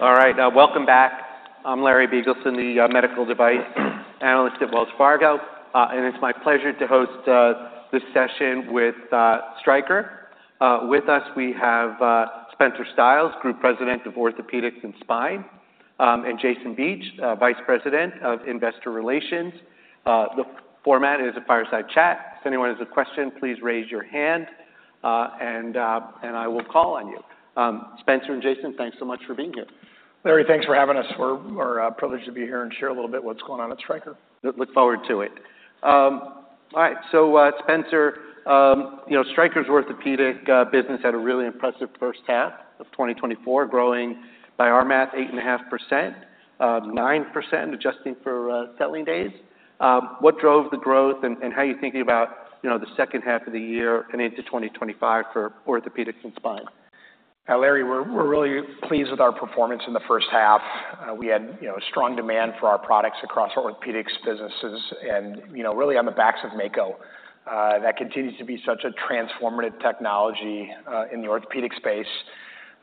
All right, welcome back. I'm Larry Biegelsen, the medical device analyst at Wells Fargo. And it's my pleasure to host this session with Stryker. With us, we have Spencer Stiles, Group President of Orthopedics and Spine, and Jason Beach, Vice President of Investor Relations. The format is a fireside chat. If anyone has a question, please raise your hand, and I will call on you. Spencer and Jason, thanks so much for being here. Larry, thanks for having us. We're privileged to be here and share a little bit what's going on at Stryker. Look forward to it. All right. So, Spencer, you know, Stryker's orthopedic business had a really impressive first half of twenty twenty-four, growing, by our math, 8.5%, nine percent adjusting for, selling days. What drove the growth, and how are you thinking about, you know, the second half of the year and into twenty twenty-five for orthopedics and spine? Larry, we're really pleased with our performance in the first half. We had, you know, strong demand for our products across orthopedics businesses and, you know, really on the backs of Mako. That continues to be such a transformative technology in the orthopedic space,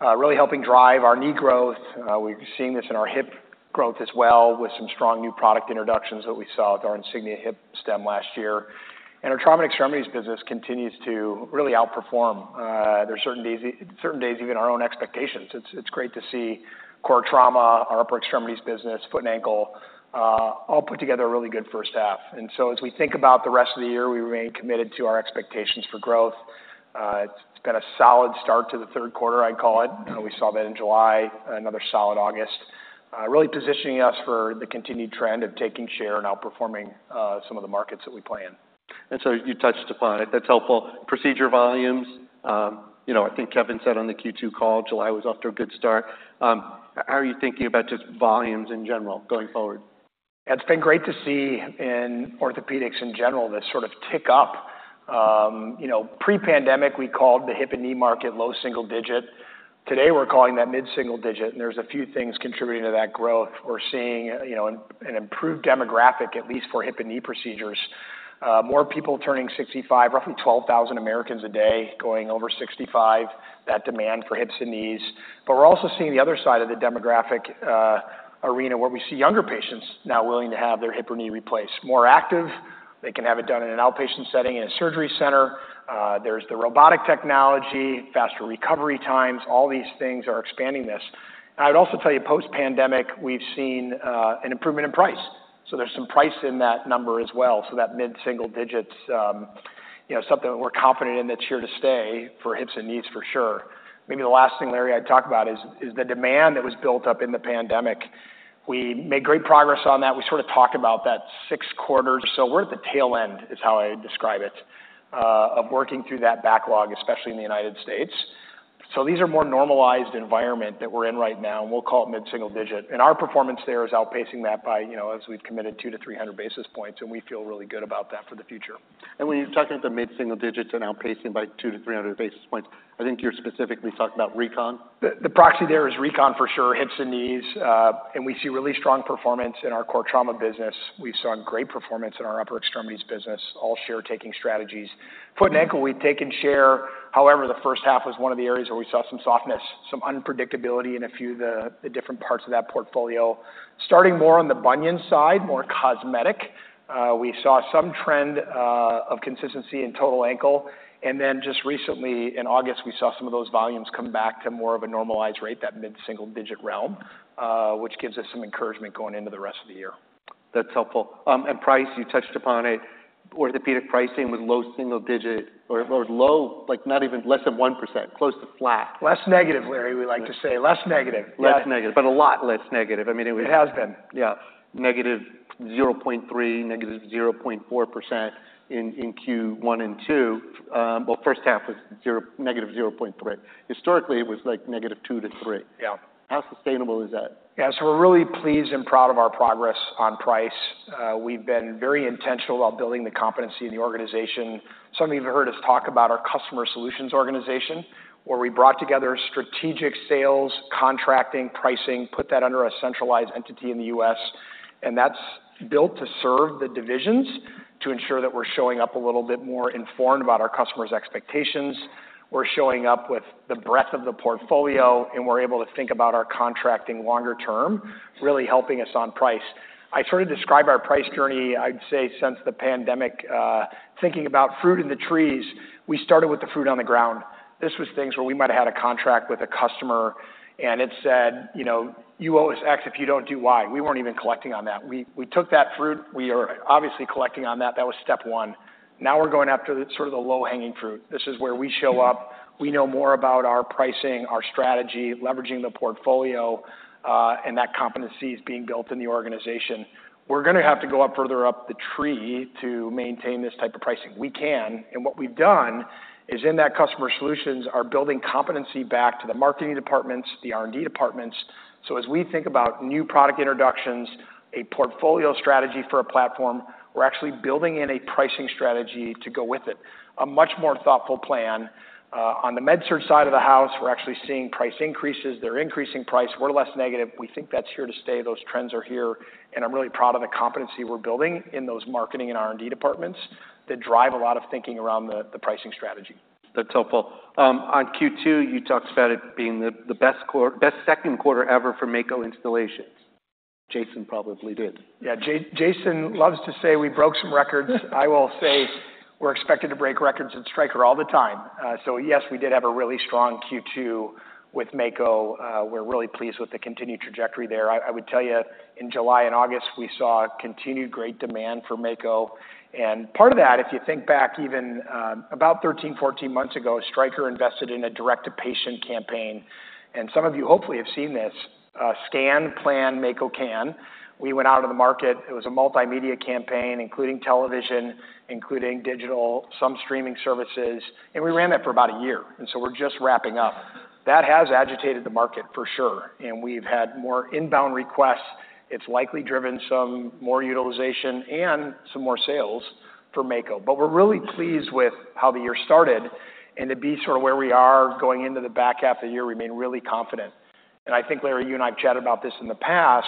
really helping drive our knee growth. We've seen this in our hip growth as well, with some strong new product introductions that we saw with our Insignia Hip Stem last year. And our Trauma and Extremities business continues to really outperform. There's certain days even our own expectations. It's great to see core trauma, our upper extremities business, foot and ankle, all put together a really good first half. And so as we think about the rest of the year, we remain committed to our expectations for growth. It's got a solid start to the third quarter, I'd call it. We saw that in July, another solid August, really positioning us for the continued trend of taking share and outperforming some of the markets that we play in. And so you touched upon it. That's helpful. Procedure volumes, you know, I think Kevin said on the Q2 call, July was off to a good start. How are you thinking about just volumes in general, going forward? It's been great to see in orthopedics in general, this sort of tick up. You know, pre-pandemic, we called the hip and knee market low single digit. Today, we're calling that mid-single digit, and there's a few things contributing to that growth. We're seeing, you know, an improved demographic, at least for hip and knee procedures. More people turning sixty-five, roughly 12,000 Americans a day, going over sixty-five, that demand for hips and knees. But we're also seeing the other side of the demographic arena, where we see younger patients now willing to have their hip or knee replaced. More active, they can have it done in an outpatient setting, in a surgery center, there's the robotic technology, faster recovery times. All these things are expanding this. And I'd also tell you, post-pandemic, we've seen an improvement in price. So there's some price in that number as well. So that mid-single digits, you know, something that we're confident in, that's here to stay for hips and knees, for sure. Maybe the last thing, Larry, I'd talk about is the demand that was built up in the pandemic. We made great progress on that. We sort of talked about that six quarters, so we're at the tail end, is how I describe it, of working through that backlog, especially in the United States. So these are more normalized environment that we're in right now, and we'll call it mid-single digit. And our performance there is outpacing that by, you know, as we've committed, two to three hundred basis points, and we feel really good about that for the future. And when you're talking at the mid-single digits and outpacing by 200-300 basis points, I think you're specifically talking about Recon? The proxy there is recon, for sure, hips and knees, and we see really strong performance in our core trauma business. We've seen great performance in our upper extremities business, all share-taking strategies. Foot and ankle, we've taken share. However, the first half was one of the areas where we saw some softness, some unpredictability in a few of the different parts of that portfolio. Starting more on the bunion side, more cosmetic, we saw some trend of consistency in total ankle. And then just recently, in August, we saw some of those volumes come back to more of a normalized rate, that mid-single-digit realm, which gives us some encouragement going into the rest of the year. That's helpful, and price, you touched upon it. Orthopedic pricing was low single digit, or low, like, not even less than 1%, close to flat. Less negative, Larry, we like to say. Less negative. Less negative, but a lot less negative. I mean. It has been. Yeah. Negative 0.3%, negative 0.4% in Q1 and Q2. Well, first half was 0%, negative 0.3%. Historically, it was like negative 2% to 3%. Yeah. How sustainable is that? Yeah, so we're really pleased and proud of our progress on price. We've been very intentional about building the competency in the organization. Some of you have heard us talk about our Customer Solutions organization, where we brought together strategic sales, contracting, pricing, put that under a centralized entity in the U.S. And that's built to serve the divisions, to ensure that we're showing up a little bit more informed about our customers' expectations. We're showing up with the breadth of the portfolio, and we're able to think about our contracting longer term, really helping us on price. I sort of describe our price journey, I'd say, since the pandemic, thinking about fruit in the trees. We started with the fruit on the ground. This was things where we might have had a contract with a customer, and it said, "You know, you owe us X if you don't do Y." We weren't even collecting on that. We took that fruit. We are obviously collecting on that. That was step one. Now we're going after sort of the low-hanging fruit. This is where we show up. We know more about our pricing, our strategy, leveraging the portfolio, and that competency is being built in the organization. We're gonna have to go up further up the tree to maintain this type of pricing. We can, and what we've done is, in that Customer Solutions, are building competency back to the marketing departments, the R&D departments. So as we think about new product introductions, a portfolio strategy for a platform, we're actually building in a pricing strategy to go with it. A much more thoughtful plan. On the MedSurg side of the house, we're actually seeing price increases. They're increasing price. We're less negative. We think that's here to stay. Those trends are here, and I'm really proud of the competency we're building in those marketing and R&D departments that drive a lot of thinking around the pricing strategy. That's helpful. On Q2, you talked about it being the best second quarter ever for Mako installations. Jason probably did. Yeah, Jason loves to say we broke some records. I will say we're expected to break records at Stryker all the time. So yes, we did have a really strong Q2 with Mako. We're really pleased with the continued trajectory there. I would tell you, in July and August, we saw continued great demand for Mako, and part of that, if you think back even, about 13, 14 months ago, Stryker invested in a direct-to-patient campaign, and some of you hopefully have seen this, Scan. Plan. Mako Can. We went out to the market. It was a multimedia campaign, including television, including digital, some streaming services, and we ran that for about a year, and so we're just wrapping up. That has agitated the market for sure, and we've had more inbound requests. It's likely driven some more utilization and some more sales for Mako. But we're really pleased with how the year started and to be sort of where we are going into the back half of the year, we remain really confident. And I think, Larry, you and I have chatted about this in the past.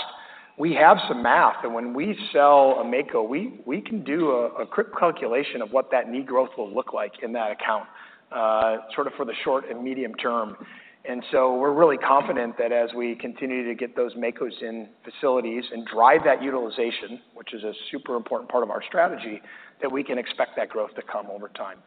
We have some math, and when we sell a Mako, we can do a quick calculation of what that knee growth will look like in that account, sort of for the short and medium term. And so we're really confident that as we continue to get those Makos in facilities and drive that utilization, which is a super important part of our strategy, that we can expect that growth to come over time.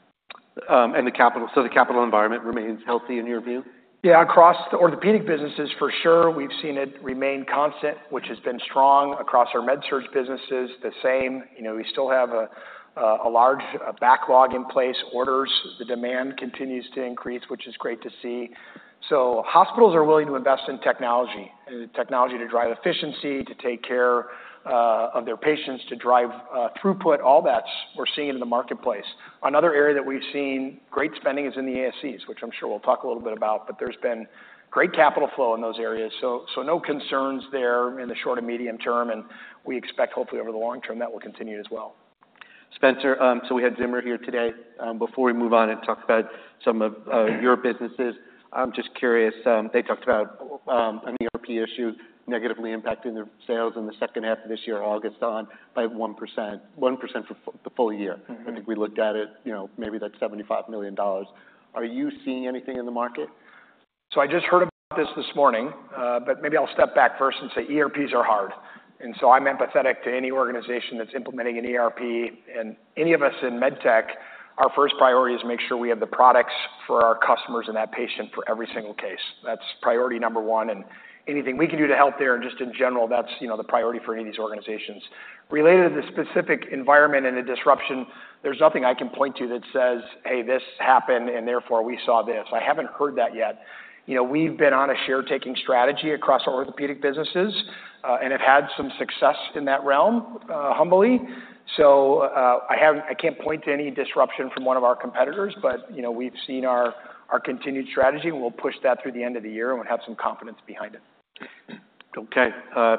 So, the capital environment remains healthy in your view? Yeah, across the orthopedic businesses, for sure, we've seen it remain constant, which has been strong across our MedSurg businesses, the same. You know, we still have a large backlog in place, orders, the demand continues to increase, which is great to see. So hospitals are willing to invest in technology to drive efficiency, to take care of their patients, to drive throughput, all that we're seeing in the marketplace. Another area that we've seen great spending is in the ASCs, which I'm sure we'll talk a little bit about, but there's been great capital flow in those areas. So no concerns there in the short and medium term, and we expect, hopefully, over the long term, that will continue as well. Spencer, so we had Zimmer here today. Before we move on and talk about some of your businesses, I'm just curious. They talked about an ERP issue negatively impacting their sales in the second half of this year, August on, by 1%, 1% for the full year. I think we looked at it, you know, maybe that's $75 million. Are you seeing anything in the market? I just heard about this this morning, but maybe I'll step back first and say ERPs are hard, and so I'm empathetic to any organization that's implementing an ERP and any of us in med tech. Our first priority is to make sure we have the products for our customers and that patient for every single case. That's priority number one, and anything we can do to help there, and just in general, that's, you know, the priority for any of these organizations. Related to the specific environment and the disruption, there's nothing I can point to that says, "Hey, this happened, and therefore, we saw this." I haven't heard that yet. You know, we've been on a share taking strategy across our orthopedic businesses, and have had some success in that realm, humbly. I can't point to any disruption from one of our competitors, but, you know, we've seen our continued strategy, and we'll push that through the end of the year, and we'll have some confidence behind it. Okay,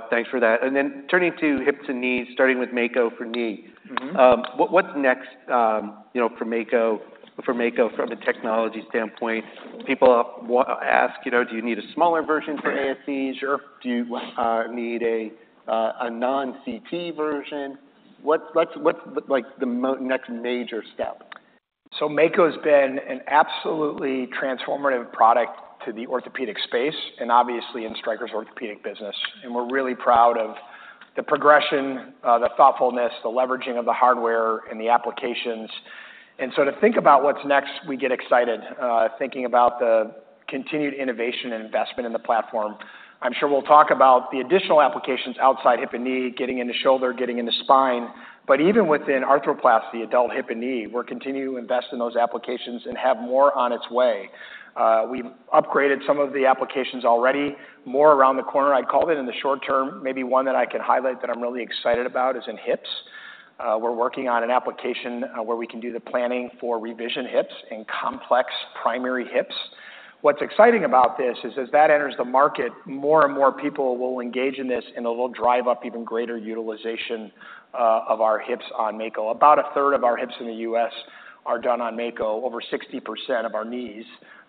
thanks for that. And then turning to hip to knee, starting with Mako for knee. What's next, you know, for Mako, for Mako from a technology standpoint? People ask, you know, do you need a smaller version for ASCs? Sure. Do you need a non-CT version? What's, like, the next major step? Mako's been an absolutely transformative product to the orthopedic space and obviously in Stryker's orthopedic business. And we're really proud of the progression, the thoughtfulness, the leveraging of the hardware and the applications. And so to think about what's next, we get excited, thinking about the continued innovation and investment in the platform. I'm sure we'll talk about the additional applications outside hip and knee, getting into shoulder, getting into spine. But even within arthroplasty, adult hip and knee, we're continuing to invest in those applications and have more on its way. We've upgraded some of the applications already, more around the corner, I'd call it, in the short term. Maybe one that I can highlight that I'm really excited about is in hips. We're working on an application, where we can do the planning for revision hips and complex primary hips. What's exciting about this is as that enters the market, more and more people will engage in this, and it'll drive up even greater utilization of our hips on Mako. About a third of our hips in the U.S. are done on Mako, over 60% of our knees,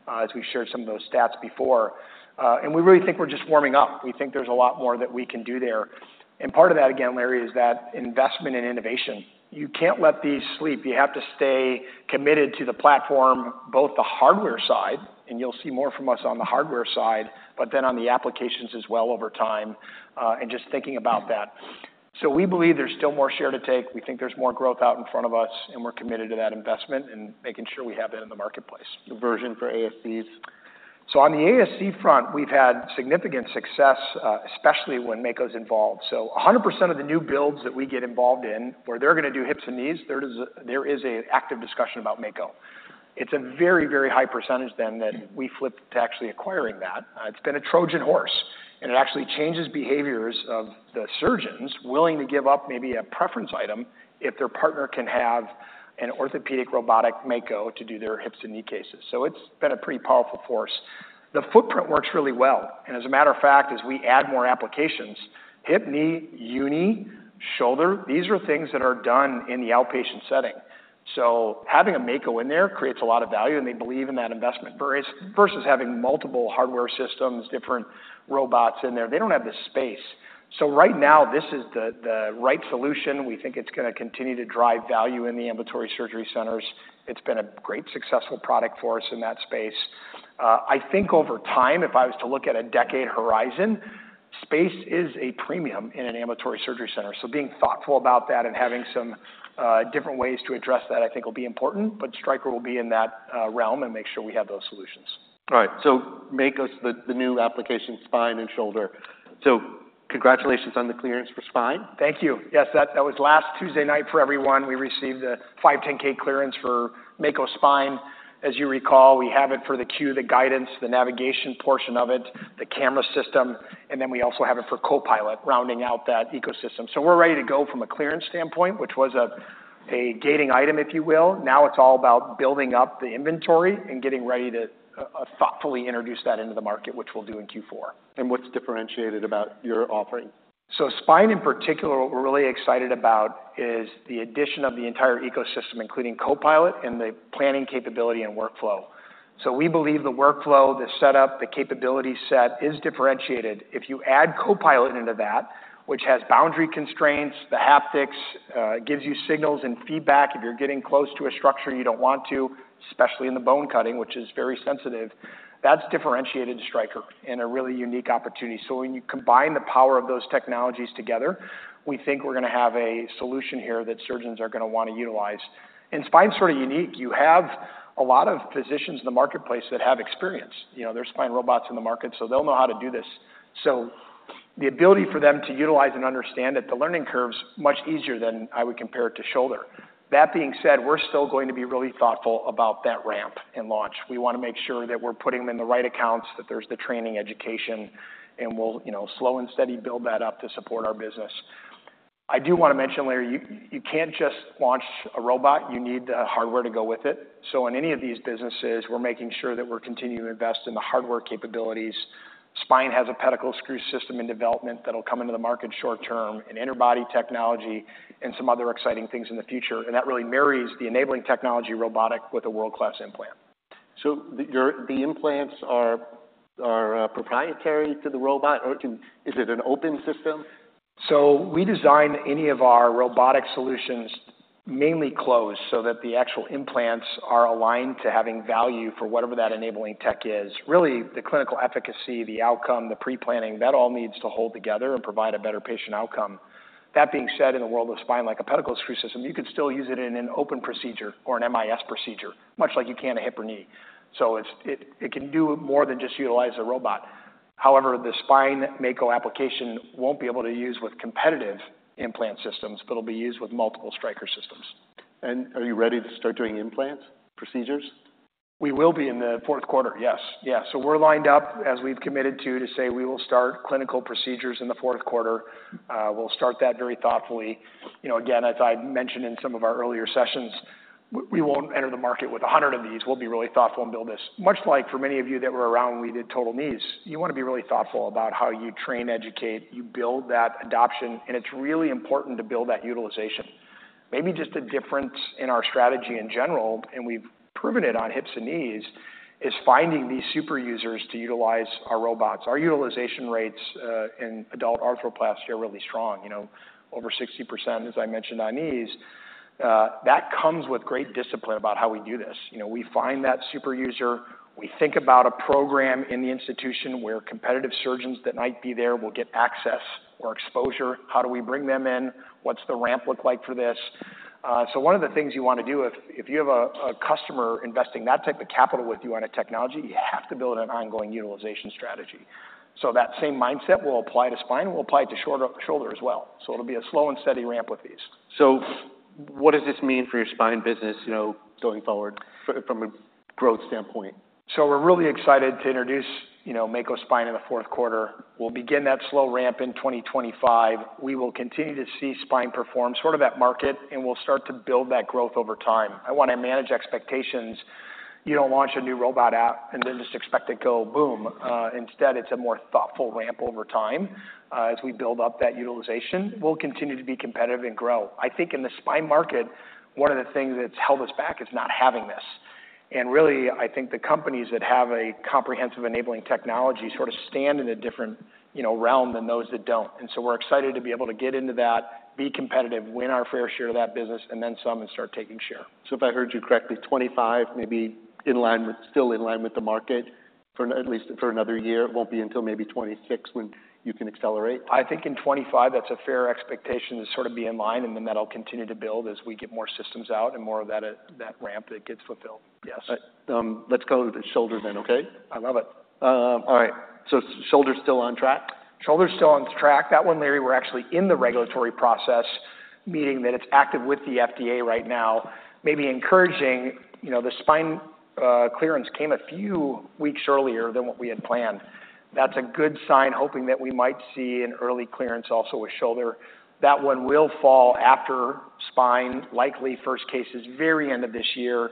as we've shared some of those stats before, and we really think we're just warming up. We think there's a lot more that we can do there, and part of that, again, Larry, is that investment in innovation. You can't let these sleep. You have to stay committed to the platform, both the hardware side, and you'll see more from us on the hardware side, but then on the applications as well over time, and just thinking about that, so we believe there's still more share to take. We think there's more growth out in front of us, and we're committed to that investment and making sure we have that in the marketplace. The version for ASCs? On the ASC front, we've had significant success, especially when Mako's involved. A hundred percent of the new builds that we get involved in, where they're gonna do hips and knees, there is an active discussion about Mako. It's a very, very high percentage then, that we flip to actually acquiring that. It's been a Trojan horse, and it actually changes behaviors of the surgeons willing to give up maybe a preference item if their partner can have an orthopedic robotic Mako to do their hips and knee cases. So it's been a pretty powerful force. The footprint works really well, and as a matter of fact, as we add more applications, hip, knee, uni, shoulder, these are things that are done in the outpatient setting. Having a Mako in there creates a lot of value, and they believe in that investment versus having multiple hardware systems, different robots in there. They don't have the space. So right now, this is the right solution. We think it's gonna continue to drive value in the ambulatory surgery centers. It's been a great, successful product for us in that space. I think over time, if I was to look at a decade horizon, space is a premium in an ambulatory surgery center. So being thoughtful about that and having some different ways to address that, I think, will be important. But Stryker will be in that realm and make sure we have those solutions. All right, so Mako's the new application, spine and shoulder, so congratulations on the clearance for spine. Thank you. Yes, that was last Tuesday night for everyone. We received a 510(k) clearance for Mako Spine. As you recall, we have it for the Q, the guidance, the navigation portion of it, the camera system, and then we also have it for Copilot, rounding out that ecosystem. So we're ready to go from a clearance standpoint, which was a gating item, if you will. Now it's all about building up the inventory and getting ready to thoughtfully introduce that into the market, which we'll do in Q4. What's differentiated about your offering? So spine, in particular, what we're really excited about is the addition of the entire ecosystem, including Copilot and the planning capability and workflow. So we believe the workflow, the setup, the capability set is differentiated. If you add Copilot into that, which has boundary constraints, the haptics, it gives you signals and feedback if you're getting close to a structure you don't want to, especially in the bone cutting, which is very sensitive, that's differentiated Stryker and a really unique opportunity. So when you combine the power of those technologies together, we think we're gonna have a solution here that surgeons are gonna wanna utilize. And spine's sort of unique. You have a lot of physicians in the marketplace that have experience. You know, there's spine robots in the market, so they'll know how to do this. So the ability for them to utilize and understand that the learning curve's much easier than I would compare it to shoulder. That being said, we're still going to be really thoughtful about that ramp and launch. We wanna make sure that we're putting them in the right accounts, that there's the training education, and we'll, you know, slow and steady build that up to support our business. I do wanna mention, Larry, you can't just launch a robot, you need the hardware to go with it. So in any of these businesses, we're making sure that we're continuing to invest in the hardware capabilities. Spine has a pedicle screw system in development that'll come into the market short term, and interbody technology and some other exciting things in the future, and that really marries the enabling technology robotic with a world-class implant. Your implants are proprietary to the robot, or to... Is it an open system? So we design any of our robotic solutions mainly closed so that the actual implants are aligned to having value for whatever that enabling tech is. Really, the clinical efficacy, the outcome, the pre-planning, that all needs to hold together and provide a better patient outcome. That being said, in the world of spine, like a pedicle screw system, you could still use it in an open procedure or an MIS procedure, much like you can a hip or knee. So it can do more than just utilize a robot. However, the spine Mako application won't be able to use with competitive implant systems, but it'll be used with multiple Stryker systems. Are you ready to start doing implant procedures? We will be in the fourth quarter, yes. Yeah, so we're lined up, as we've committed to, to say we will start clinical procedures in the fourth quarter. We'll start that very thoughtfully. You know, again, as I mentioned in some of our earlier sessions, we won't enter the market with a hundred of these. We'll be really thoughtful and build this. Much like for many of you that were around when we did total knees, you wanna be really thoughtful about how you train, educate, you build that adoption, and it's really important to build that utilization. Maybe just a difference in our strategy in general, and we've proven it on hips and knees, is finding these super users to utilize our robots. Our utilization rates in adult arthroplasty are really strong, you know, over 60%, as I mentioned, on knees. That comes with great discipline about how we do this. You know, we find that super user, we think about a program in the institution where competitive surgeons that might be there will get access or exposure. How do we bring them in? What's the ramp look like for this? So one of the things you wanna do if you have a customer investing that type of capital with you on a technology, you have to build an ongoing utilization strategy. So that same mindset will apply to spine, and we'll apply it to shoulder as well. So it'll be a slow and steady ramp with these. What does this mean for your spine business, you know, going forward from a growth standpoint? We're really excited to introduce, you know, Mako Spine in the fourth quarter. We'll begin that slow ramp in 2025. We will continue to see spine perform sort of at market, and we'll start to build that growth over time. I wanna manage expectations. You don't launch a new robot app and then just expect it to go boom. Instead, it's a more thoughtful ramp over time. As we build up that utilization, we'll continue to be competitive and grow. I think in the spine market, one of the things that's held us back is not having this. And really, I think the companies that have a comprehensive enabling technology sort of stand in a different, you know, realm than those that don't. And so we're excited to be able to get into that, be competitive, win our fair share of that business, and then some, and start taking share. So if I heard you correctly, 2025, maybe in line with, still in line with the market for at least another year. It won't be until maybe 2026 when you can accelerate? I think in 2025, that's a fair expectation to sort of be in line, and then that'll continue to build as we get more systems out and more of that ramp that gets fulfilled. Yes. Let's go to the shoulder then, okay? I love it. All right, so shoulder's still on track? Shoulder's still on track. That one, Larry, we're actually in the regulatory process, meaning that it's active with the FDA right now. Maybe encouraging, you know, the spine clearance came a few weeks earlier than what we had planned. That's a good sign, hoping that we might see an early clearance also with shoulder. That one will fall after spine, likely first case is very end of this year,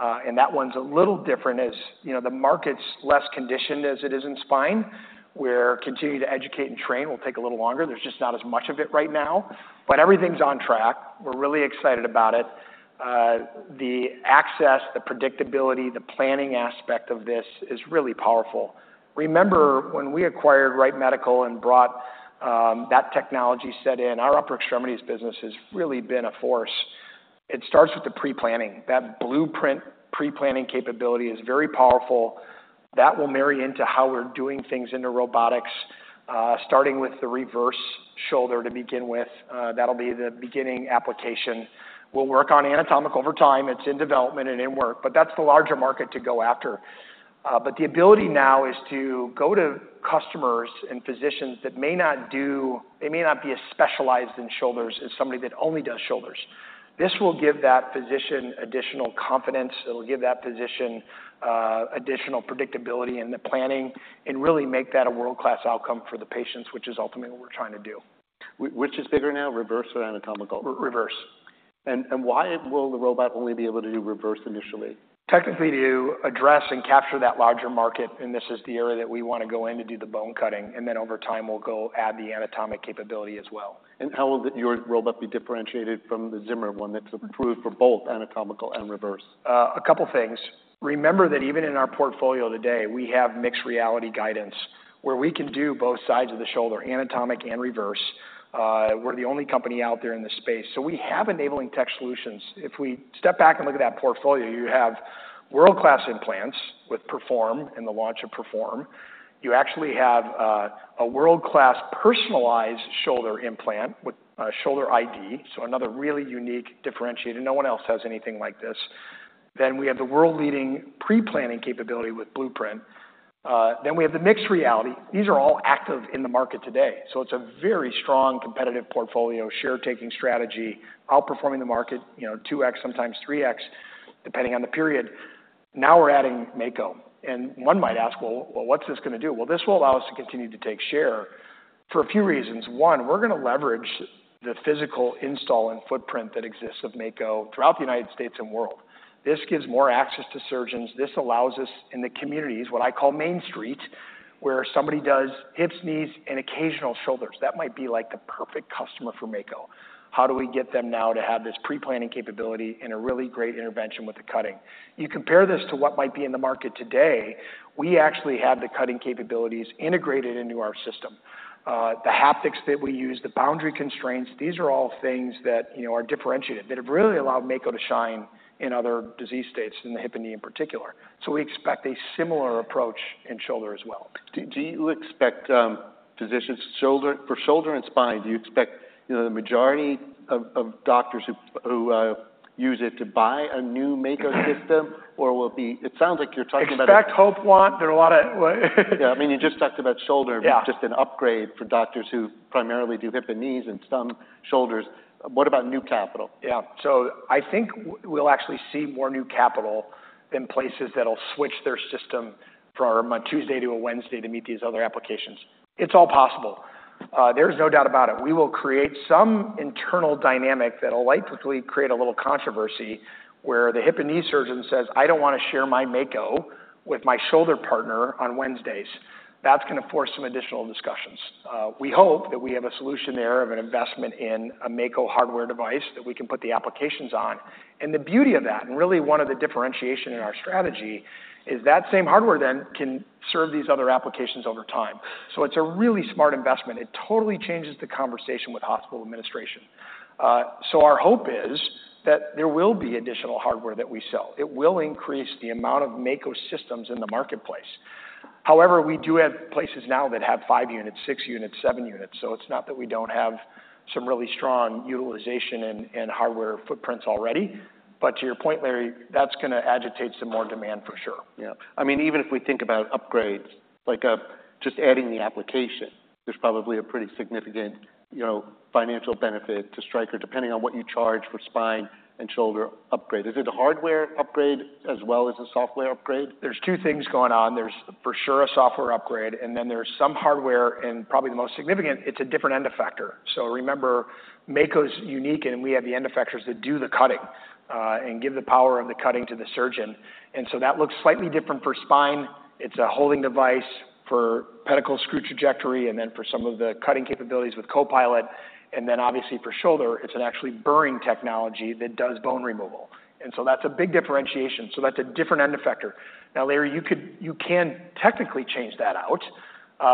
and that one's a little different. As you know, the market's less conditioned as it is in spine, where continue to educate and train will take a little longer. There's just not as much of it right now. But everything's on track. We're really excited about it. The access, the predictability, the planning aspect of this is really powerful. Remember, when we acquired Wright Medical and brought that technology set in, our upper extremities business has really been a force. It starts with the pre-planning. That Blueprint pre-planning capability is very powerful. That will marry into how we're doing things in the robotics, starting with the reverse shoulder to begin with. That'll be the beginning application. We'll work on anatomic over time. It's in development and in work, but that's the larger market to go after. But the ability now is to go to customers and physicians that may not. They may not be as specialized in shoulders as somebody that only does shoulders. This will give that physician additional confidence. It'll give that physician additional predictability in the planning and really make that a world-class outcome for the patients, which is ultimately what we're trying to do. Which is bigger now, reverse or anatomical? Re- reverse. Why will the robot only be able to do reverse initially? Technically, to address and capture that larger market, and this is the area that we want to go in to do the bone cutting, and then over time, we'll go add the anatomic capability as well. How will your robot be differentiated from the Zimmer one that's approved for both anatomical and reverse? A couple things. Remember that even in our portfolio today, we have mixed reality guidance, where we can do both sides of the shoulder, anatomic and reverse. We're the only company out there in this space. So we have enabling tech solutions. If we step back and look at that portfolio, you have world-class implants with Perform and the launch of Perform. You actually have a world-class personalized shoulder implant with Shoulder iD, so another really unique differentiator. No one else has anything like this. Then we have the world-leading pre-planning capability with Blueprint. Then we have the mixed reality. These are all active in the market today, so it's a very strong competitive portfolio, share-taking strategy, outperforming the market, you know, two X, sometimes three X, depending on the period. Now we're adding Mako. One might ask, "Well, what's this gonna do?" This will allow us to continue to take share for a few reasons. One, we're gonna leverage the physical install and footprint that exists of Mako throughout the United States and world. This gives more access to surgeons. This allows us in the communities, what I call Main Street, where somebody does hips, knees, and occasional shoulders. That might be, like, the perfect customer for Mako. How do we get them now to have this pre-planning capability and a really great intervention with the cutting? You compare this to what might be in the market today, we actually have the cutting capabilities integrated into our system. The haptics that we use, the boundary constraints, these are all things that, you know, are differentiated, that have really allowed Mako to shine in other disease states, in the hip and knee in particular. So we expect a similar approach in shoulder as well. Do you expect physicians for shoulder and spine, you know, the majority of doctors who use it to buy a new Mako system, or will it be... It sounds like you're talking about- Expect, hope, want, there are a lot of, what? Yeah, I mean, you just talked about shoulder- Yeah Just an upgrade for doctors who primarily do hip and knees and some shoulders. What about new capital? Yeah. So I think we'll actually see more new capital in places that'll switch their system from a Tuesday to a Wednesday to meet these other applications. It's all possible. There's no doubt about it. We will create some internal dynamic that'll likely create a little controversy, where the hip and knee surgeon says, "I don't want to share my Mako with my shoulder partner on Wednesdays." That's gonna force some additional discussions. We hope that we have a solution there of an investment in a Mako hardware device that we can put the applications on. And the beauty of that, and really one of the differentiation in our strategy, is that same hardware then can serve these other applications over time. So it's a really smart investment. It totally changes the conversation with hospital administration. So our hope is that there will be additional hardware that we sell. It will increase the amount of Mako systems in the marketplace. However, we do have places now that have five units, six units, seven units, so it's not that we don't have some really strong utilization and hardware footprints already. But to your point, Larry, that's gonna agitate some more demand for sure. Yeah. I mean, even if we think about upgrades, like, just adding the application, there's probably a pretty significant, you know, financial benefit to Stryker, depending on what you charge for spine and shoulder upgrade. Is it a hardware upgrade as well as a software upgrade? There's two things going on. There's, for sure, a software upgrade, and then there's some hardware, and probably the most significant, it's a different end effector. So remember, Mako's unique, and we have the end effectors that do the cutting, and give the power of the cutting to the surgeon. And so that looks slightly different for spine. It's a holding device for pedicle screw trajectory, and then for some of the cutting capabilities with Copilot, and then obviously for shoulder, it's an actually burring technology that does bone removal. And so that's a big differentiation. So that's a different end effector. Now, Larry, you could, you can technically change that out,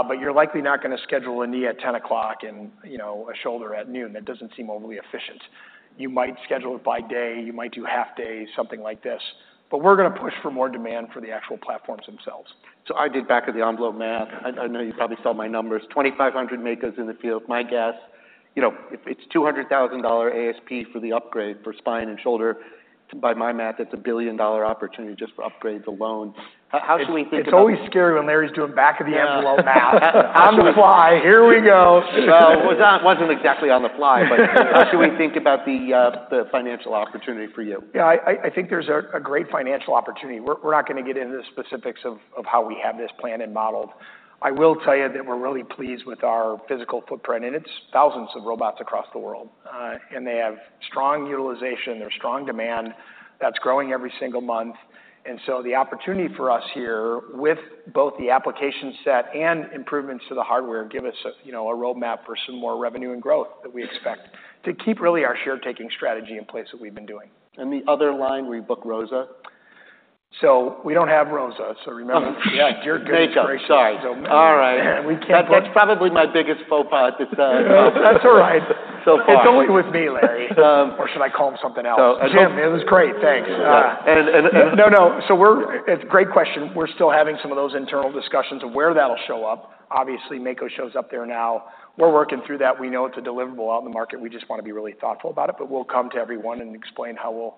but you're likely not gonna schedule a knee at 10:00 A.M. and, you know, a shoulder at noon. That doesn't seem overly efficient. You might schedule it by day, you might do half days, something like this. But we're gonna push for more demand for the actual platforms themselves. I did back-of-the-envelope math. I know you probably saw my numbers. 2,500 Mako in the field. My guess, you know, if it's $200,000 ASP for the upgrade for spine and shoulder, by my math, that's a billion-dollar opportunity just for upgrades alone. How should we think about- It's always scary when Larry's doing back-of-the-envelope math. On the fly, here we go. It wasn't exactly on the fly, but how should we think about the financial opportunity for you? Yeah, I think there's a great financial opportunity. We're not gonna get into the specifics of how we have this planned and modeled. I will tell you that we're really pleased with our physical footprint, and it's thousands of robots across the world. And they have strong utilization. There's strong demand that's growing every single month. And so the opportunity for us here, with both the application set and improvements to the hardware, give us, you know, a roadmap for some more revenue and growth that we expect to keep really our share-taking strategy in place that we've been doing. The other line where you book ROSA? So we don't have ROSA, so remember- Yeah, Mako, sorry. You're good. Great. All right. We can't put- That's probably my biggest faux pas at this time. That's all right. So far. It's only with me, Larry. Or should I call him something else? So Jim, it was great. Thanks. And, and. No, no. It's a great question. We're still having some of those internal discussions of where that'll show up. Obviously, Mako shows up there now. We're working through that. We know it's a deliverable out in the market. We just want to be really thoughtful about it, but we'll come to everyone and explain how we'll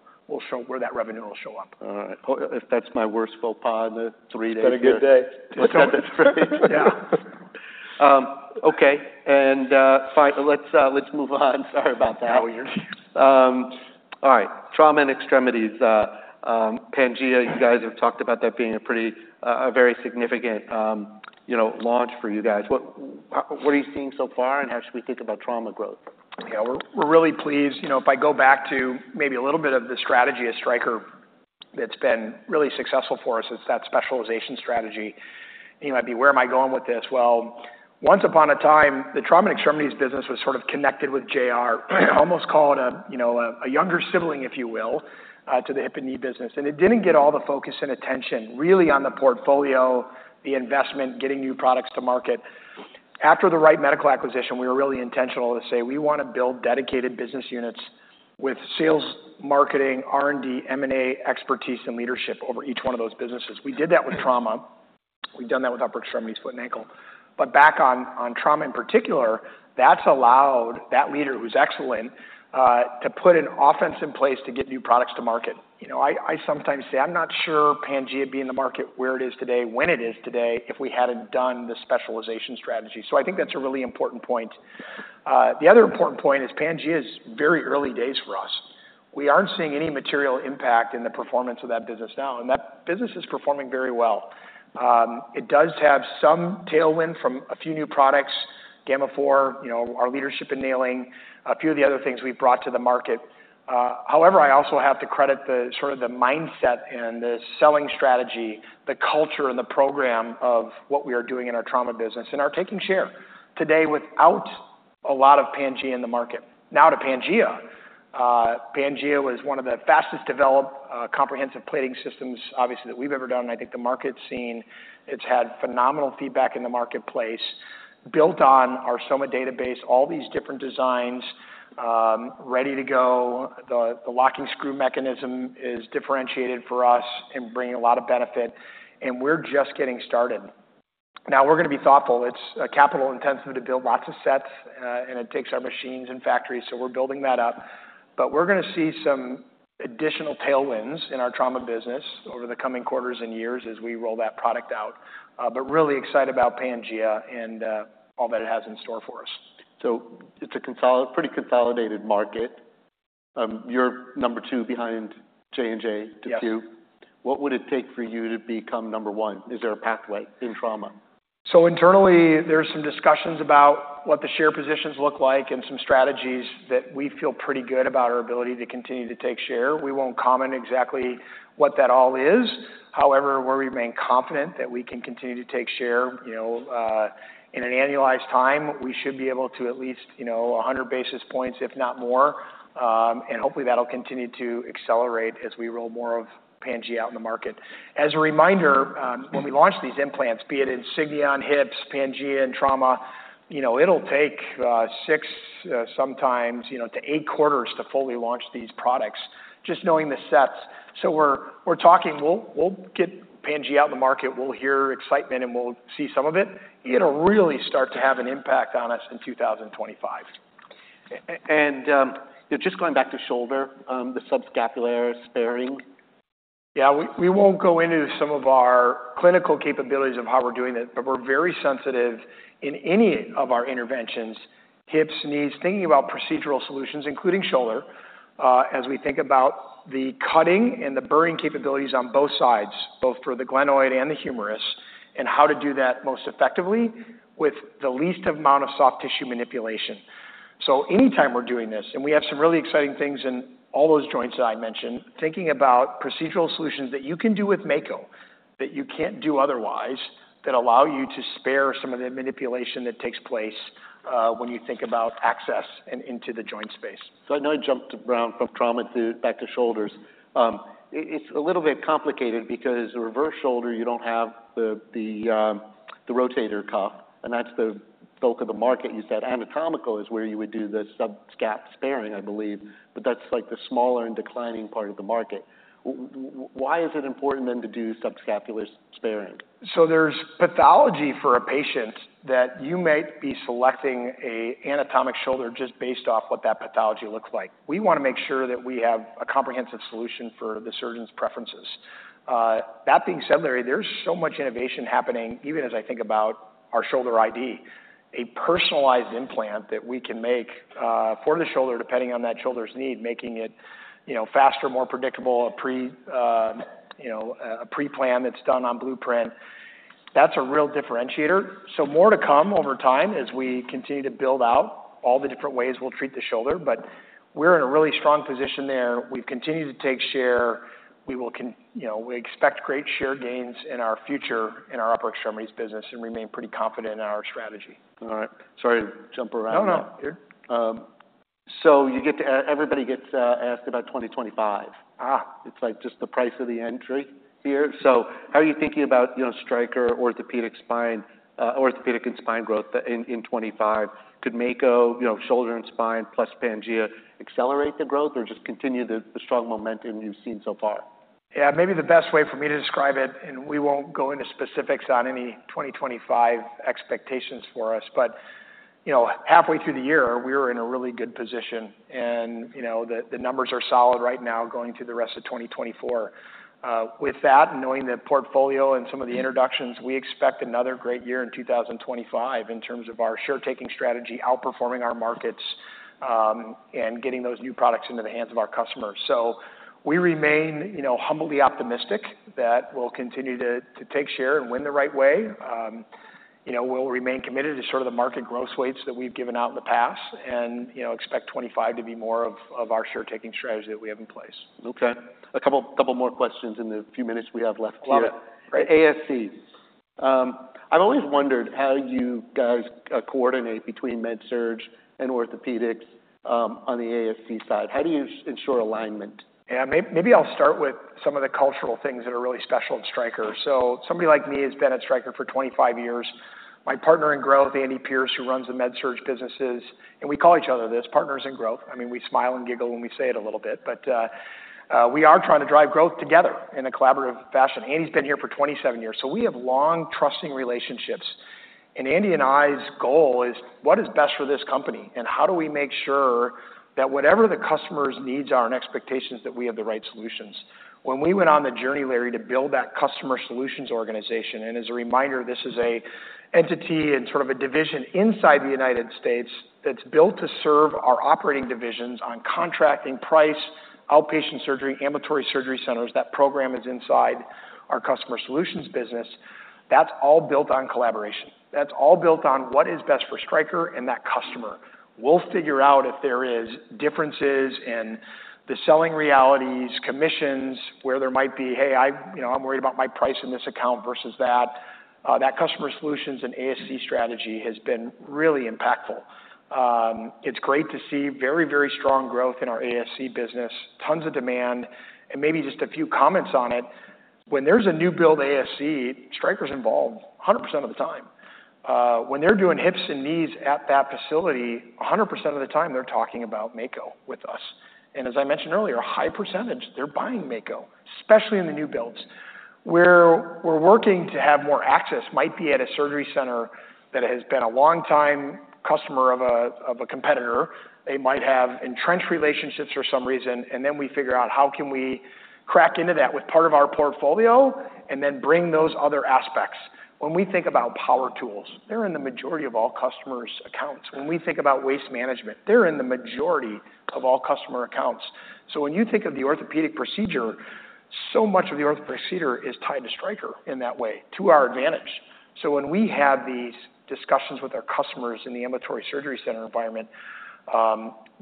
show where that revenue will show up. All right, well, if that's my worst faux pas in the three days. It's been a good day. Yeah. Okay. And fine, let's move on. Sorry about that. No worries. All right. Trauma and extremities, Pangea, you guys have talked about that being a pretty, a very significant, you know, launch for you guys. What, what are you seeing so far, and how should we think about trauma growth? Yeah, we're, we're really pleased. You know, if I go back to maybe a little bit of the strategy at Stryker, that's been really successful for us, it's that specialization strategy. You might be, where am I going with this? Well, once upon a time, the trauma and extremities business was sort of connected with Recon. Almost call it a, you know, a, a younger sibling, if you will, to the hip and knee business. And it didn't get all the focus and attention, really, on the portfolio, the investment, getting new products to market. After the Wright Medical acquisition, we were really intentional to say, we want to build dedicated business units with sales, marketing, R&D, M&A expertise, and leadership over each one of those businesses. We did that with trauma. We've done that with upper extremities, foot and ankle. But back on trauma, in particular, that's allowed that leader, who's excellent, to put an offense in place to get new products to market. You know, I sometimes say, I'm not sure Pangea would be in the market where it is today, when it is today, if we hadn't done the specialization strategy. So I think that's a really important point. The other important point is Pangea is very early days for us. We aren't seeing any material impact in the performance of that business now, and that business is performing very well. It does have some tailwind from a few new products, Gamma4, you know, our leadership in nailing, a few of the other things we've brought to the market. However, I also have to credit the sort of the mindset and the selling strategy, the culture and the program of what we are doing in our trauma business and are taking share today without a lot of Pangea in the market. Now to Pangea. Pangea was one of the fastest developed comprehensive plating systems, obviously, that we've ever done. I think the market's seen. It's had phenomenal feedback in the marketplace, built on our SOMA database, all these different designs, ready to go. The locking screw mechanism is differentiated for us and bringing a lot of benefit, and we're just getting started. Now, we're going to be thoughtful. It's capital intensive to build lots of sets, and it takes our machines and factories, so we're building that up. But we're going to see some additional tailwinds in our trauma business over the coming quarters and years as we roll that product out. But really excited about Pangea and all that it has in store for us. So it's a pretty consolidated market. You're number two behind J&J, DePuy. Yes. What would it take for you to become number one? Is there a pathway in trauma? So internally, there are some discussions about what the share positions look like and some strategies that we feel pretty good about our ability to continue to take share. We won't comment exactly what that all is. However, where we remain confident that we can continue to take share, you know, in an annualized time, we should be able to at least, you know, 100 basis points, if not more. And hopefully, that'll continue to accelerate as we roll more of Pangea out in the market. As a reminder, when we launch these implants, be it Insignia on hips, Pangea in trauma, you know, it'll take six, sometimes, you know, to eight quarters to fully launch these products, just knowing the sets. So we're talking, we'll get Pangea out in the market, we'll hear excitement, and we'll see some of it. It'll really start to have an impact on us in 2025. Just going back to shoulder, the subscapularis sparing. Yeah, we won't go into some of our clinical capabilities of how we're doing it, but we're very sensitive in any of our interventions, hips, knees, thinking about procedural solutions, including shoulder, as we think about the cutting and the burring capabilities on both sides, both for the glenoid and the humerus, and how to do that most effectively with the least amount of soft tissue manipulation. So anytime we're doing this, and we have some really exciting things in all those joints that I mentioned, thinking about procedural solutions that you can do with Mako, that you can't do otherwise, that allow you to spare some of the manipulation that takes place, when you think about access and into the joint space. So I know I jumped around from trauma to back to shoulders. It's a little bit complicated because a reverse shoulder, you don't have the rotator cuff, and that's the bulk of the market. You said anatomical is where you would do the subscapularis sparing, I believe, but that's like the smaller and declining part of the market. Why is it important then to do subscapularis sparing? There's pathology for a patient that you might be selecting an anatomic shoulder just based off what that pathology looks like. We want to make sure that we have a comprehensive solution for the surgeon's preferences. That being said, Larry, there's so much innovation happening, even as I think about our Shoulder iD. A personalized implant that we can make for the shoulder, depending on that shoulder's need, making it, you know, faster, more predictable, a pre-plan that's done on Blueprint. That's a real differentiator. More to come over time as we continue to build out all the different ways we'll treat the shoulder, but we're in a really strong position there. We've continued to take share. You know, we expect great share gains in our future in our upper extremities business and remain pretty confident in our strategy. All right. Sorry to jump around. No, no. So you get to, everybody gets asked about 2025. It's like just the price of the entry here. So how are you thinking about, you know, Stryker Orthopaedics and Spine growth in 2025? Could Mako, you know, Shoulder and Spine, plus Pangea accelerate the growth or just continue the strong momentum we've seen so far? Yeah, maybe the best way for me to describe it, and we won't go into specifics on any 2025 expectations for us, but, you know, halfway through the year, we were in a really good position. You know, the numbers are solid right now going through the rest of 2024. With that, knowing the portfolio and some of the introductions, we expect another great year in 2025 in terms of our share taking strategy, outperforming our markets, and getting those new products into the hands of our customers. So we remain, you know, humbly optimistic that we'll continue to take share and win the right way. You know, we'll remain committed to sort of the market growth rates that we've given out in the past and, you know, expect 2025 to be more of our share taking strategy that we have in place. Okay. A couple more questions in the few minutes we have left here. Love it. ASC. I've always wondered how you guys coordinate between Med Surg and Orthopedics, on the ASC side. How do you ensure alignment? Yeah, maybe I'll start with some of the cultural things that are really special at Stryker. Somebody like me has been at Stryker for twenty-five years. My partner in growth, Andy Pierce, who runs the Med Surg businesses, and we call each other this, partners in growth. I mean, we smile and giggle when we say it a little bit, but we are trying to drive growth together in a collaborative fashion. Andy's been here for twenty-seven years, so we have long, trusting relationships, and Andy and I's goal is: what is best for this company? How do we make sure that whatever the customer's needs are and expectations, that we have the right solutions? When we went on the journey, Larry, to build that customer solutions organization, and as a reminder, this is an entity and sort of a division inside the United States that's built to serve our operating divisions on contracting price, outpatient surgery, ambulatory surgery centers, that program is inside our customer solutions business. That's all built on collaboration. That's all built on what is best for Stryker and that customer. We'll figure out if there is differences in the selling realities, commissions, where there might be, "Hey, I, you know, I'm worried about my price in this account versus that." That customer solutions and ASC strategy has been really impactful. It's great to see very, very strong growth in our ASC business, tons of demand, and maybe just a few comments on it. When there's a new build ASC, Stryker's involved 100% of the time. When they're doing hips and knees at that facility, 100% of the time, they're talking about Mako with us. And as I mentioned earlier, a high percentage, they're buying Mako, especially in the new builds. Where we're working to have more access might be at a surgery center that has been a long time customer of a competitor. They might have entrenched relationships for some reason, and then we figure out how can we crack into that with part of our portfolio and then bring those other aspects. When we think about power tools, they're in the majority of all customers' accounts. When we think about waste management, they're in the majority of all customer accounts. So when you think of the orthopedic procedure, so much of the orth procedure is tied to Stryker in that way, to our advantage. So when we have these discussions with our customers in the Ambulatory Surgery Center environment,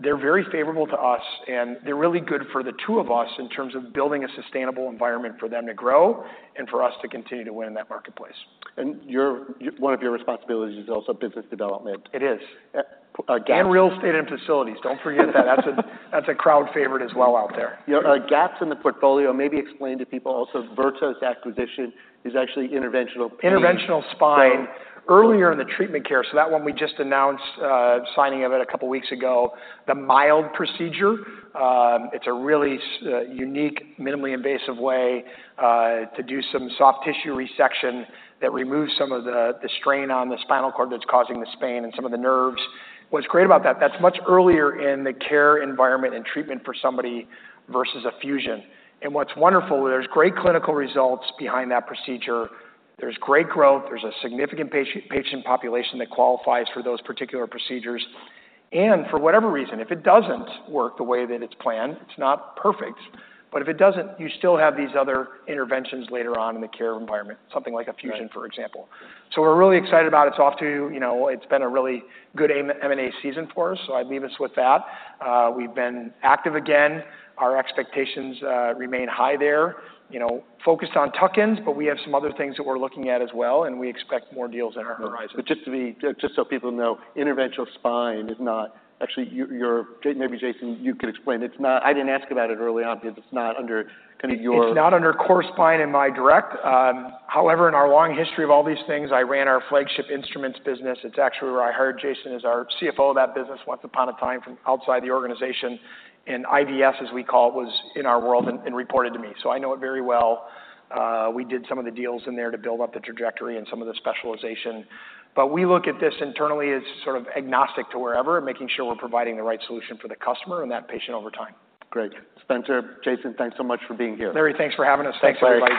they're very favorable to us, and they're really good for the two of us in terms of building a sustainable environment for them to grow and for us to continue to win in that marketplace. And one of your responsibilities is also business development. It is. Uh, gaps. Real estate and facilities. Don't forget that. That's a crowd favorite as well out there. Yeah, gaps in the portfolio, maybe explain to people also Vertos acquisition is actually interventional- Interventional spine. Okay. Earlier in the treatment care, so that one we just announced, signing of it a couple weeks ago, the mild procedure. It's a really unique, minimally invasive way to do some soft tissue resection that removes some of the strain on the spinal cord that's causing the sprain and some of the nerves. What's great about that, that's much earlier in the care environment and treatment for somebody versus a fusion. And what's wonderful, there's great clinical results behind that procedure. There's great growth. There's a significant patient population that qualifies for those particular procedures. And for whatever reason, if it doesn't work the way that it's planned, it's not perfect, but if it doesn't, you still have these other interventions later on in the care environment, something like a fusion. Right For example. So we're really excited about it. It's off to... You know, it's been a really good M&A season for us, so I'd leave us with that. We've been active again. Our expectations remain high there, you know, focused on tuck-ins, but we have some other things that we're looking at as well, and we expect more deals on our horizon. Just so people know, interventional spine is not... Actually, you maybe, Jason, you could explain. It's not. I didn't ask about it early on because it's not under kind of your- It's not under core spine in my direct. However, in our long history of all these things, I ran our flagship instruments business. It's actually where I hired Jason as our CFO of that business once upon a time from outside the organization, and IVS, as we call it, was in our world and reported to me, so I know it very well. We did some of the deals in there to build up the trajectory and some of the specialization, but we look at this internally as sort of agnostic to wherever, making sure we're providing the right solution for the customer and that patient over time. Great. Spencer, Jason, thanks so much for being here. Larry, thanks for having us. Thanks. Thanks, everybody.